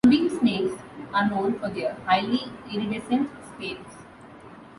Sunbeam snakes are known for their highly iridescent scales.